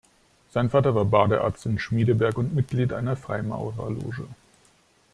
Sein Vater war Badearzt in Schmiedeberg und Mitglied einer Freimaurerloge.